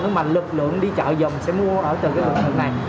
nhưng mà lực lượng đi chợ dòng sẽ mua ở từ cái lực lượng này